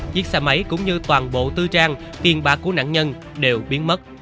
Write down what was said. chiếc xe máy cũng như toàn bộ tư trang tiền bạc của nạn nhân đều biến mất